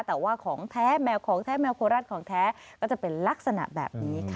แต่ว่าของแท้แมวโคราตของแท้ก็จะเป็นลักษณะแบบนี้ค่ะ